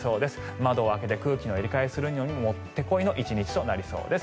窓を開けて空気の入れ替えをするにももってこいの１日となりそうです。